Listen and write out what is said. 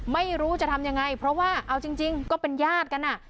ไม่รู้จะทำยังไงเพราะว่าเอาจริงก็เป็นญาติกันอ่ะ